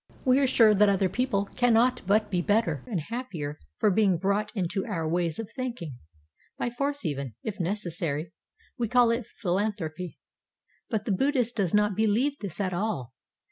We are sure that other people cannot but be better and happier for being brought into our ways of thinking, by force even, if necessary. We call it philanthropy. But the Buddhist does not believe this at all.